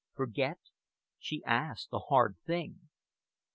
Forget! She asked a hard thing.